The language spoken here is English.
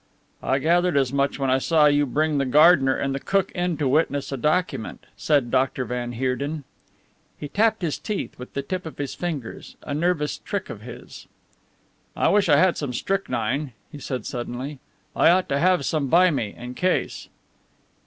"I gathered as much when I saw you bring the gardener and the cook in to witness a document," said Dr. van Heerden. He tapped his teeth with the tip of his fingers a nervous trick of his. "I wish I had some strychnine," he said suddenly. "I ought to have some by me in case."